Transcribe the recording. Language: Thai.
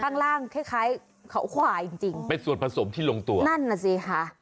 ข้างล่างคล้ายคล้ายเขาควายจริงจริงเป็นส่วนผสมที่ลงตัวนั่นน่ะสิค่ะ